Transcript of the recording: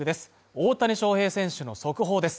大谷翔平選手の速報です。